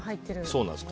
そうなんです。